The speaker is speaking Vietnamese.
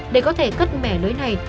để có thể cất mẻ lưới này